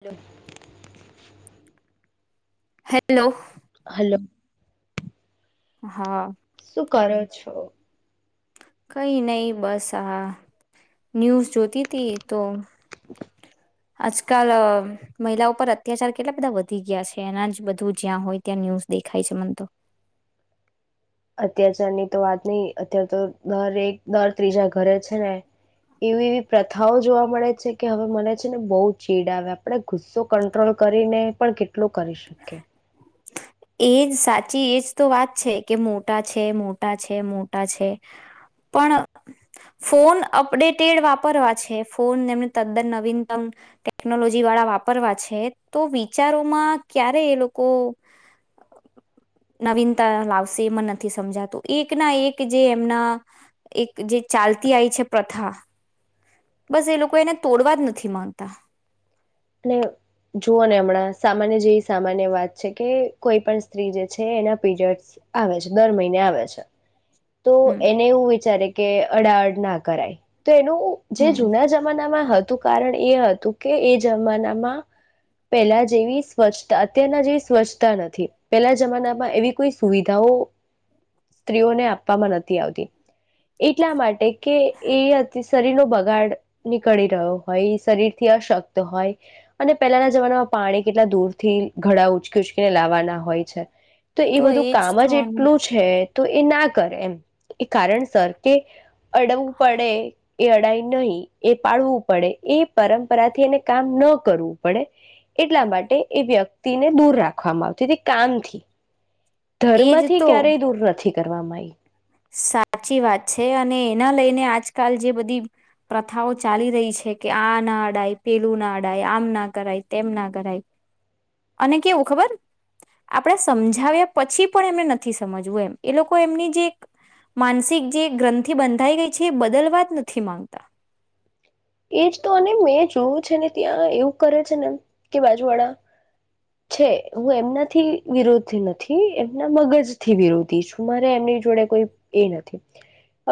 Hello hello hello હા શું કરો છો કઈ નહી બસ હા, ન્યૂઝ જોતી તી તો આજકાલ મહિલા પર અત્યાચાર કેટલા બધા વધી ગયા છે, એના જ બધું જ્યાં હોય ત્યાં ન્યૂઝ દેખાય છે મન તો અત્યાચારની તો વાત નહી અત્યારે તો દર એક દર ત્રીજા ઘરે છે ને એવી એવી પ્રથાઓ જોવા મળે છે કે હવે મને છે ને બહુ ચીડ આવે આપણે ગુસ્સો કંટ્રોલ કરીને પણ કેટલો કરી શકીએ એજ સાચી, એજ તો વાત છે કે મોટા છે, મોટા છે, મોટા છે, પણ ફોન અપડેટેડ વાપરવા છે, ફોન એમને તદ્દન નવીનતમ ટેકનોલોજી વાળા વાપરવા છે, તો વિચારોમાં ક્યારે એ લોકો નવીનતા લાવશે એ મને નથી સમજાતું, એક ના એક જે એમના એક જે ચાલતી આવી છે પ્રથા બસ એ લોકો એને તોડવા જ નથી માંગતા અને જુઓ ને હમણાં સામાન્ય જેવી સામાન્ય વાત છે, કે કોઈ પણ સ્ત્રી જે છે એના પીરિયડસ આવે છે, દર મહિને આવે છે તો હમ એને એવું વિચારે કે અડાઅડ ના કરાય તો એનું જે હમ જુના જમાનામાં હતું કારણ એ હતું કે જમાનામાં પહેલા જેવી સ્વચ્છતા અત્યારના જેવી સ્વચ્છતા નથી, પહેલા જમાનામાં એવી કોઈ સુવિધાઓ સ્ત્રીઓને આપવામાં નથી આવતી એટલા માટે કે એ શરીર નો બગાડ નીકળી રહ્યો હોય શરીર થી અશક્ હોય અને પહેલાના જમાનામાં પાણી કેટલા દૂરથી ઘડા ઉચકી ઉચકીને લાવવાના હોય છે તો એ બધું એજ કામ તો જ એટલું છે તો એ ના કરે એમ એ કારણસર કે અડવું પડે, એ અડાઈ નહી, એ પાળવું પડે એ પરંપરાથી એને કામ ન કરવું પડે એટલા માટે એ વ્યક્તિને દૂર રાખવામાં આવતી હતી કામથી એજ ધર્મથી તો ક્યારેય દૂર નથી કરવામાં આઈ સાચી વાત છે, અને એના લઈને આજકાલ જે બધી પ્રથાઓ ચાલી રહી છે, કે આ ના અડાય, પેલું ના અડાય, આમ ના કરાય, તેમ ના કરાય. અને કેવું ખબર? આપણે સમજાવ્યા પછી પણ એમને નથી સમજવું એમ. એ લોકો એમની જે એક માનસિક જે ગ્રંથિ બંધાઈ ગઈ છે, એ બદલવા જ નથી માંગતા. શું છે ને ત્યાં એવું કરે છે ને, કે બાજુ વાડા, છે. હું એમનાથી વિરોધી નથી, એમના મગજથી વિરોધી છું. મારે એમની જોડે કોઈ એ નથી.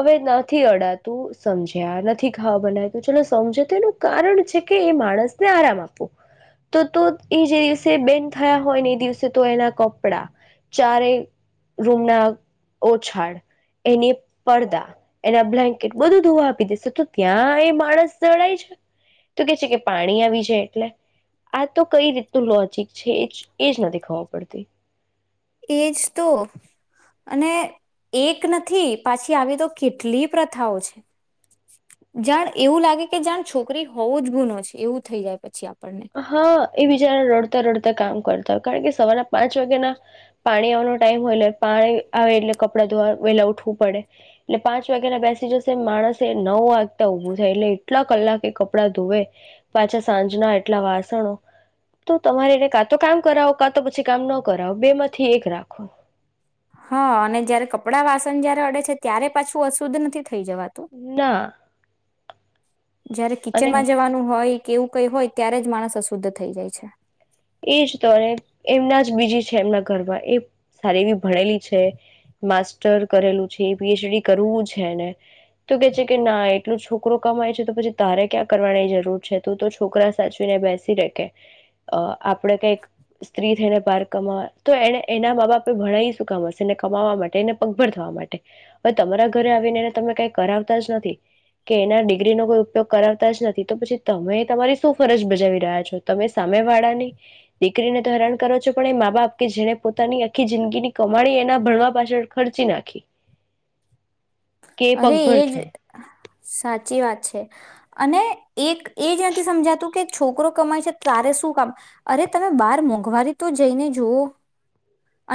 હવે નથી અડાતું સમજ્યા, નથી ખાવા બનાત ચલો સમજો તો એનું કારણ છે કે એ માણસને આરામ આપવો. તો તો એ જે દિવસે બેન થયા હોય ને એ દિવસે તો એના કપડા, ચારેય રૂમના ઓછાડ, એને પડદા, એના બ્લેન્કેટ, બધું ધોવા આપી દેસે. તો ત્યાં એ મ માણસ જણાય છે? તો કે છે કે પાણી આવી જાય એટલે. આ તો કઈ રીતનું લોજિક છે એ, એજ નથી ખબર પડતી. એજ તો. અને એક નથી, પાછી આવી તો કેટલી પ્રથાઓ છે. જાણ એવું લાગે કે જાણ છોકરી હોવું જ ગુનો છે, એવું થઈ જાય પછી આ હા, એ બીચારા રડતા રડતા કામ કરતા હોય. કારણ કે સવારના પાંચ વાગ્યાના પાણી આવવાનો ટાઈમ હોય, એટલે પાણી આવે એટલે કપડા ધોવા વહેલા ઉઠવું પડે. એટલે પાંચ વાગ્યાના બેસી જશે, માણસ એ નવ વાગતા ઉભું થાય, એટલે એટલા કલાક એ કપડાં ધોવે. પાછા સાંજના એ કેટલા વાસણો. તો તમારે એને કાં તો કામ કરાવો, કાં તો પછી કામ ન કરાવો, બે માંથી એક રાખો. હા અને જયારે કપડાં વાસન જયારે અડે છે ત્યારે પાછું અશુદ્ધ નથી થઈ જવાતું ના જયારે કિચન અને માં જવાનું હોય કેવું કઈ હોય ત્યારે જ માણસ અશુદ્ધ થઈ જાય છે એજ તો અને એમના જ બીજી છે એમના ઘરમાં એ સારી એવી ભણેલી છે માસ્ટર કરેલું છે પીએચડી કરવું છે ને તો કે છે કે ના એટલું છોકરો કમાય છે તો પછી તારે ક્યાં કરવાની જરૂર છે તું તો છોકરા સાચવીને બેસી રે કે આપણે કઈક સ્ત્રી થઈને પાર કમાવા તો એને એના મા બાપે ભણાઇ શું કામશે એને કમાવા માટે એને પગભર થવા માટે હવે તમારા ઘરે આવીને એને તમે કંઈ કરાવતા જ નથી કે એના ડિગ્રીનો કોઈ ઉપયોગ કરાવતા જ નથી તો પછી તમે તમારી શું ફરજ બજાવી રહ્યા છો તમે સામે વાળા નહી દીકરીને તો હેરાન કરો છો પણ એ મા બાપ કે જેને પોતાની આખી જિંદગીની કમાડી એના ભણવા પાછળ ખર્ચી નાખી કે એ અરે પગભર એજ થાય સાચી વાત છે અને એક એ જ નથી સમજાતું કે છોકરો કમાય છે તારે શું કામ અરે તમે બહાર મોંઘવારી તો જઈને જુવઓ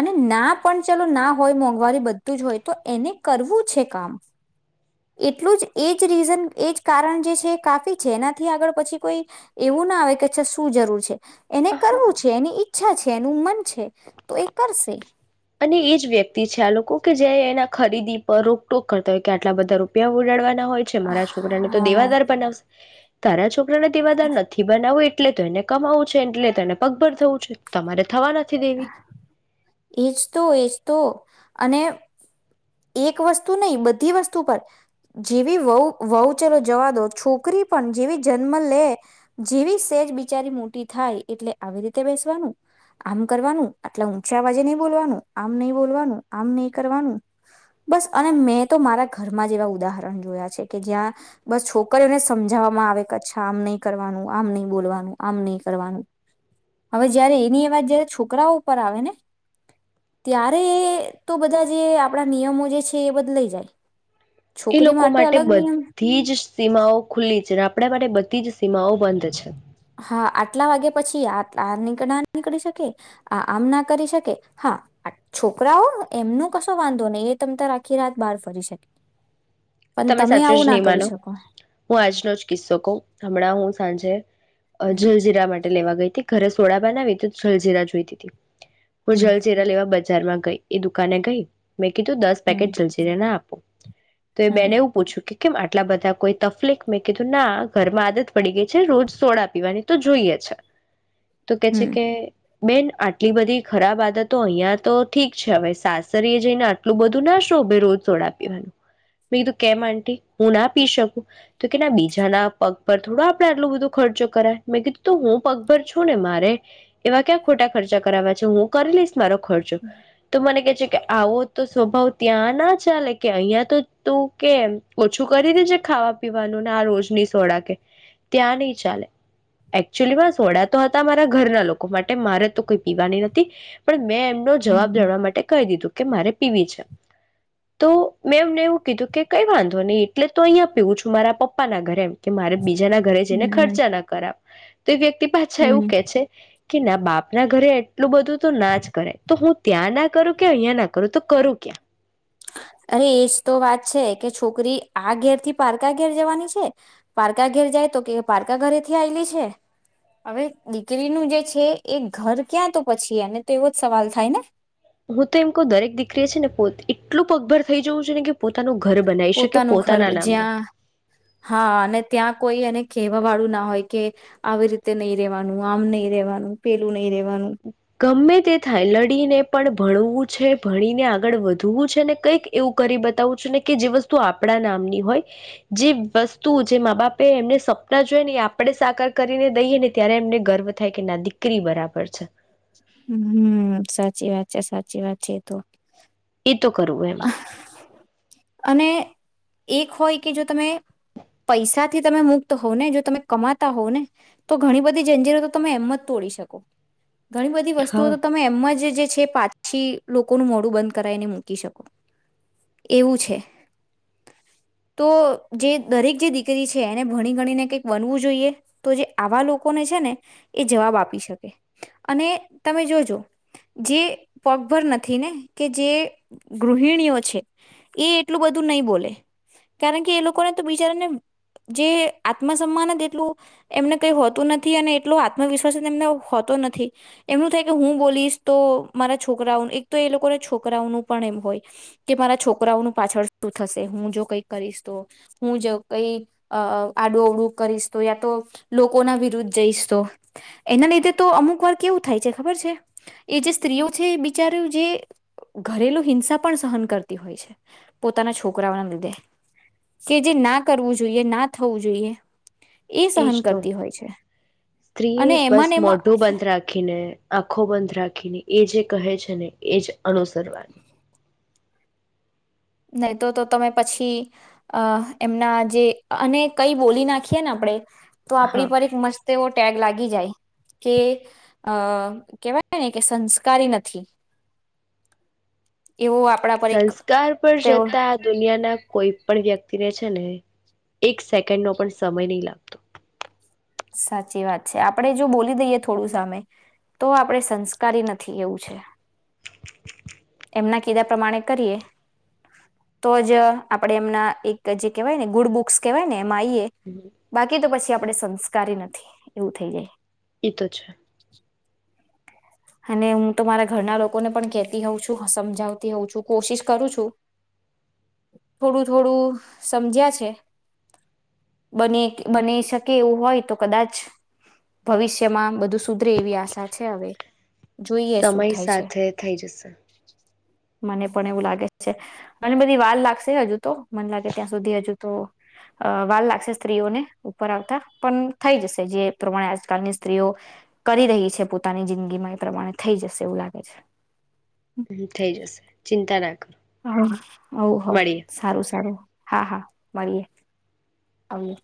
અને ના પણ ચલોના હોય મોંઘવારી બધું જ હોય તો એને કરવું છે કામ એટલું જ એજ રીઝન એજ કારણ જે છે એ કાફી છે એનાથી આગળ પછી કોઈ એવું ના આવે કે અ શું જરૂર છે એને કરવું છે એની ઇચ્છા છે એનું મન છે તો એ કરશે અને એ જ વ્યક્તિ છે આ લોકો કે એના ખરીદી પર રોકટોક કરતા હોય કે આટલા બધા રૂપિયા ઉડાડવા... હોય છે મારા છોકરાને તો હા દેવાદાર બનાવશે તારા છો... આપણે દેવાદાર નથી બનાવું એટલે એટલે તો એને કમાવું છે એટલે તેને પગભર થવું છે તમારે થવા નથી દેવી એજ તો એજ તો અને એક વસ્તુ નહી બધી વસ્તુ પર જેવી વહુ વહુ ચલો જવા દો છોકરી પણ જેવી જન્મ લે જેવી સેજ બિચારી મોટી થાય એટલે આવી રીતે બેસવાનું આમ કરવાનું આટલા ઊંચા અવાજે નહી બોલવાનું આમ નહીં બોલવાનું આમ નહી કરવાનું બસ અને મેં તો મારા ઘરમાં જ એવા ઉદાહરણ જોયા છે કે જ્યાં બસ છોકરીઓને સમજાવવામાં આવે કે અચ્છા આમ નહીં કરવાનું આમ નહી બોલવાનું આમ નહી કરવાનું હવે જયારે એની એ વાત જારે છોકરાઓ ઉપર આવે ને ત્યારે એ તો બધા જે... આપણા નિયમો જે છે એ બદલાઈ જાય એ છોકરી લોકો માટે અલગ નિયમ બધી જ સીમાઓ ખુલ્લી છેને આપણે માટે બધ ીજ સીમાઓ બંધ છે હા, આટલા વાગે પછી આ આની ના નીકળી શકે, આ આમ ના કરી શકે. હા, છોકરાઓ? એમનો કશો વાંધો નહી. એ તમ તમારે આખી રાત બહાર ફરી શકે. પણ તમે સાચું આવું જ ના નહીં માનો. કરી શકો હું આજનો જ કિસ્સો કહુ. હમણાં હું સાંજે.. હમ જલજીરા માટે લેવા ગઈ. ઘરે સોડા બનાવી, તો જલજીરા જોઈતી તી. હું હમ જલચેરા લેવા બધા બજારમાં ગઈ એ દુકાને ગઈ મેં કીધું દસ હમ પેકેટ જલઝીરા ના આપો તો એ હમ બેને એવું પૂછ્યું કેમ આટલા બધા કોઈ તફલીક મેં કીધું ના ઘરમાં આદત પડી ગઈ છે રોજ સોડા પીવાની તો જોઈએ છે. તો કે છે હમ કે બેન આટલી બધી ખરાબ આદતો અહિયાં તો ઠીક છે હવે સાસરી જઈને આટલું બધું ના શોભ રોજ સોડા પીવાનું મેં કીધું કેમ આટી હું ના પી શકું તો કે ના બીજાના પગ પર થોડો આપડે આટલું બધો ખર્ચો કરાય મેં કીધું તો હું પગભર છું ને મારે એવા ક્યાં ખોટા ખર્ચા કરાવવા છે હું કરી લઈશ મારો ખર્ચો તો મને કે કે આવો તો સ્વભાવ ત્યાં ના ચાલે કે અહિયાં તો તું કે ઓછું કરી દેજે ખાવા પીવાનું ને આ રોજની સોડા કે ત્યાં નહી ચાલે એકચુલીમાં સોડા તો હતા મારા ઘરના લોકો માટે મારે તો કોઈ પીવાની નથી પણ મેં નો જવાબ હમ જાડવા માટે કહી દીધું કે મારે પી વી છે તો મેં એમને એવું કીધું કે કઈ વાંધો નહી એટલે તો અહં પીઉું છું મારા પપ્પાના ઘરે એમ કે મારે બીજા ના ઘરે જઈને હમ હમ ખર્ચા ના કરાવ તો એ વ્યક્તિ પાછા એવું હમ. કે છે કે ના બાપના ઘરે એટલું બધું તો ના જ કરે તો હું ત્યાં ના કરું કે અહીંયા ના કરું તો કરું ક્યાં અરે એજ તો વાત છે કે, છોકરી આ ઘેરથી પારકા ઘેર જવાની છે. પારકા ઘેર જાય તો કે પારકા ઘરેથી આવેલી છે. હવે દીકરીનું જે છે એ ઘર ક્યાં તો પછી? એને તો એવો જ સવાલ થાય ને? હું તો એમ ક દરેક દીકરી છે ને પોત એટલું પગભર થઈ જઉું છું ને કે પોતાનું ઘર બનાવી શકે પોતાનું ઘર પોતાના નામનું જ્યાં હા અને ત્યાં કોઈ એને કેવા વાળું ના હોય કે આવી રીતે નહી રેવાનું આમ નહીિ રેવાનું પેલું નહી રેવાનું ગમે તે થાય લડીને પણ ભણવું છે ભણીને આગળ વધવું છે ને કંઈક એવું કરી બતાવું છું ને કે જે વસ્તુ આપણા નામની હોય જે વસ્તુ જે મા બાપે એમને સપના જોય ને એ આપડે સાકાર કરીને દઈએ ને ત્યારે એમને ગર્વ થાય કે ના દીકરી બરાબર છે. હમ સાચી વાત છે સાચી વાત છે તો એ તો કરવું એમ અને એક હોય કે જો તમે પૈસાથી તમે મુક્ત હોવ ને જો તમે કમાતા હોવ ને તો ઘણી બધી જંજીરતો તમે એમત તોડી શકો ઘણી બધી હા વસ્તુઓ તો તમે એમમાં જ જે છે પારછી લોકોનું મોડું બંધ કરાયને મૂકી શકે એવું છે તો જે દરેક જે દીકરી છે એને ભણી ગણીને કઈક બનવું જોઈએ તો જે આવા લોકોને છે ને એ જવાબ આપી શકે અને તમે જોજો જે પગભર નથી ને કે જે ગૃહિણીઓ છે એ એટલું બધું નહી બોલે કારણ કે એ લોકોને તો બિચારાને જે આત્મસન્માન જ એટલું એમને કઈ હોતું નથી અને એટલો આત્મવિશ્વાસ એમને હોતો નથી એમનું થાય કે હું બોલીશ તો મારા છોકરાઓનું એક તો એ લોકોના છોકરાઓનું પણ એમ હોય કે મારા છોકરાઓનું પાછળ શું થશે હું જો કઈ કરીશ તો હું જો કઈ આડુ ઓવડું કરીશ તો યા તો લોકો ના વિરુદ્ધ જઈશ તો એના લીધે તો અમુક વાર કેવું થાય છે ખબર છે એ જે સ્ત્રીઓ છે એ બિચાર્યું જે ઘરેલું હિંસા પણ સહન કરતી હોય છે પોતાના છોકરાઓના લીધે કે જે ના કરવું જોઈએ ના થવું જોઈએ. એ એજ સહન તો કરતી હોય છે સ્ત્રીએ અને બસ એમાં ને એમાં મોઢું બંધ રાખીને આંખો બંધ રાખીને એજ. કહે છે ને એ જ. અનુસરવાની. નહી તો તો તમે પછી અ એમના જે અને કઈ બોલી નાખીએ ને આપણેે. તો આપણી હા પર એક મસ્ત. તેવો ટેગ લાગી જાય કે અ કેહેવાય ને કે સંસ્કારી નથી. એવો આપણા પર એક. સંસ્કાર પર તેઓ જતા દુનિયાના કોઈ. પણ વ્યક્તિને છે ને એક સેકન્ડ નો પણ સમય નહીં લાગતો. સાચી વાત છે. આપણે જો બોલી દઈએ થોડું સામે, તો આપડે સંસ્કારી નથી એવું છે. એમના કીધા પ્રમાણે કરીએ, તો જ આપણેે એમના એક જે કહેવાય ને ગુડ બુક્સ કહેવાય ને એમાં આઈએ, બાકી તો પછી આપડે સંસ્કારી નથી, એવું થઈ જાય. એ તો છે. અને હું તો મારા ઘરના લોકોને પણ કેતી હોઉં છું, સમજાવતી હોઉં છું. કોશિશ કરું છું. થોડું થોડું સમજ્યા છે, બને બની શકે એવું હોય, તો કદાચ ભવિષ્યમાં બધું સુધરે એવી આશા છે હવે. જોઈએ સમય શું થાય છે સાથે થઈ જશે. મને પણ એવું લાગે જ છે. અને બધી વાર લાગશે, હજુ તો. મને લાગે ત્યાં સુધી હજુ તો વાર લાગશે સ્ત્રીઓને ઉપર આવતા. પણ થઈ જશે, જે પ્રમાણે આજકાલની સ્ત્રીઓ કરી રહી છે પોતાની જિંદગી ગીમાં એ પ્રમાણે, થઈ જશે એવું લાગે છે. હ થઇ જશે, ચિંતા ના કરો. હા, હૌ હૌ. મળીએ સારું સારું. હા, હા મળીએે. આવીએ.